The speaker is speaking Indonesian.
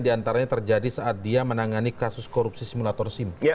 diantaranya terjadi saat dia menangani kasus korupsi simulator sim